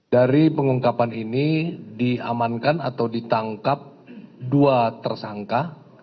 dari pengungkapan ini diamankan atau ditangkap dua tersangka